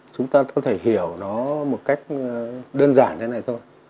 chúng ta có thể hiểu nó một cách đơn giản như thế này thôi